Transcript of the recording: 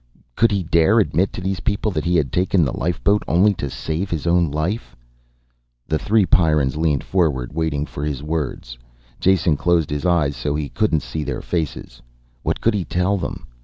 Could he dare admit to these people that he had taken the lifeboat only to save his own life? The three Pyrrans leaned forward, waiting for his words. Jason closed his eyes so he wouldn't see their faces. What could he tell them?